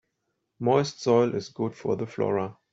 Moist soil is good for the flora.